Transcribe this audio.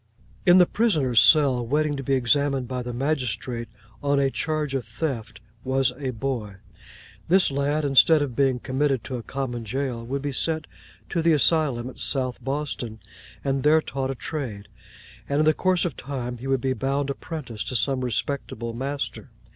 In the prisoner's cell, waiting to be examined by the magistrate on a charge of theft, was a boy. This lad, instead of being committed to a common jail, would be sent to the asylum at South Boston, and there taught a trade; and in the course of time he would be bound apprentice to some respectable master.